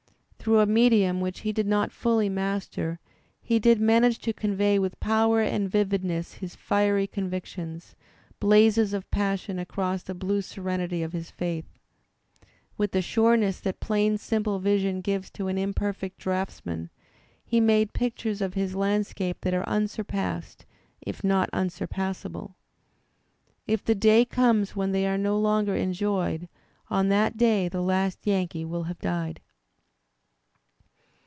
Through a medium which he did not fully master, he did manage to convey with power and vividness his fiery con victions, blazes of passion across the blue serenity of his faith. With the sureness that plain simple vision gives to an imperfect draughtsman, he made pictures of his landscape that are unsurpassed, if not unsurpassable. If the day comes when they are no longer enjoyed, on that day the last Yankee will have died.